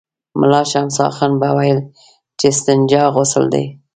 ملا شمس اخند به ویل چې استنجا غسل دی.